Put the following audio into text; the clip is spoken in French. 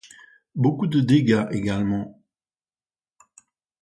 Beaucoup de dégâts également.